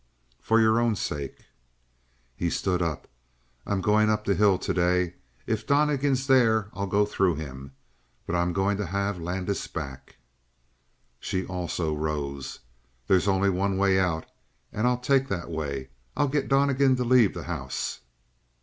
"For your own sake." He stood up. "I'm going up the hill today. If Donnegan's there, I'll go through him; but I'm going to have Landis back!" She, also, rose. "There's only one way out and I'll take that way. I'll get Donnegan to leave the house."